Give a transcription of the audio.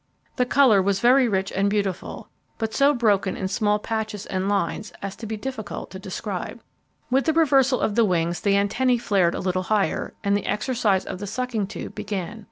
The colour was very rich and beautiful, but so broken in small patches and lines, as to be difficult to describe. With the reversal of the wings the antennae flared a little higher, and the exercise of the sucking tube began.